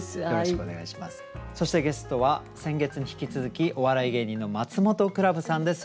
そしてゲストは先月に引き続きお笑い芸人のマツモトクラブさんです。